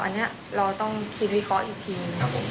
อันเนี่ยเราต้องคิดวิเคราะห์อีกที